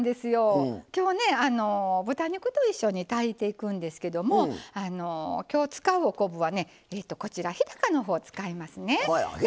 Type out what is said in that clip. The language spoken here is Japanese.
今日は豚肉と一緒に炊いていくんですけど今日使うお昆布は日高のほうを使いますね。